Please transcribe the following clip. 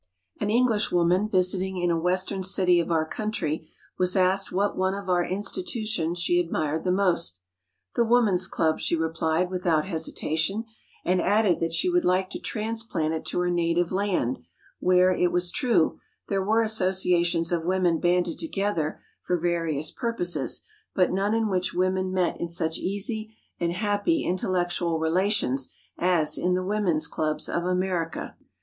An English woman, visiting in a western city of our country, was asked what one of our institutions she admired the most. "The Woman's Club," she replied without hesitation, and added that she would like to transplant it to her native land where, it was true, there were associations of women banded together for various purposes, but none in which women met in such easy and happy intellectual relations as in the women's clubs of America.